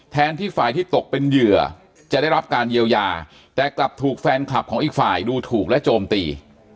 ที่ฝ่ายที่ตกเป็นเหยื่อจะได้รับการเยียวยาแต่กลับถูกแฟนคลับของอีกฝ่ายดูถูกและโจมตี